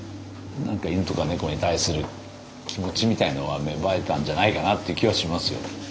何か犬とか猫に対する気持ちみたいのは芽生えたんじゃないかなっていう気はしますよ。